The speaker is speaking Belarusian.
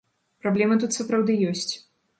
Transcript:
Праблема тут сапраўды ёсць.